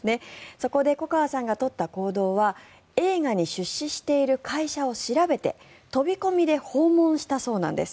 そこで粉川さんが取った行動は映画に出資している会社を調べて飛び込みで訪問したそうなんです。